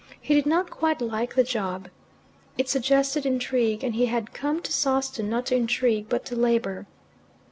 He did not quite like the job. It suggested intrigue, and he had come to Sawston not to intrigue but to labour.